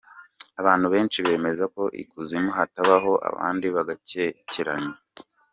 Abantu benshi bemezako ikuzimu hatabaho abandi bagakekeranya.